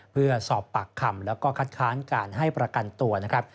เพื่อสอบปากคำแล้วก็คัดค้านการให้ประกันตัวนะครับ